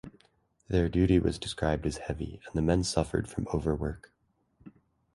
Their duty was described as heavy and the men suffered from overwork.